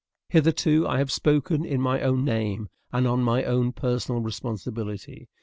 Hitherto, I have spoken in my own name, and on my own personal responsibility.